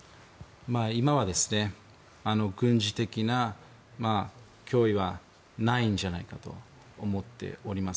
今は、軍事的な脅威はないんじゃないかと思っております。